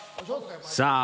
さあ